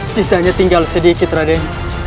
sisanya tinggal sedikit raden